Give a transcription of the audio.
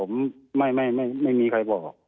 ไม่ครับไม่ไม่มีใครบอก